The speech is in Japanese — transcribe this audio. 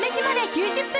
９０分